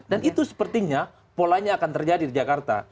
dan itu sepertinya polanya akan terjadi di jakarta